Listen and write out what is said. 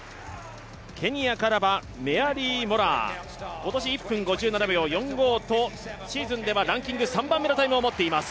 ケニアからは、メアリー・モラア、今年１分５７秒４５と、シーズンではランキング３番目のタイムを持っています。